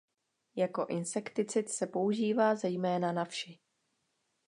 Jako insekticid se používá zejména na vši.